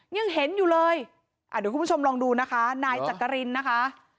ยังเห็นอยู่เลยอ่ะเดี๋ยวคุณผู้ชมลองดูนะคะนายจักรินนะคะ